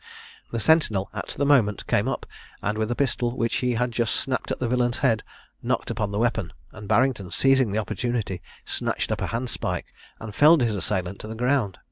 The sentinel at the moment came up, and with a pistol which he had just snapped at the villain's head, knocked up the weapon; and Barrington, seizing the opportunity, snatched up a hand spike, and felled his assailant to the ground.